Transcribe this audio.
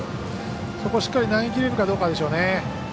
そこをしっかり投げきれるかどうかでしょうね。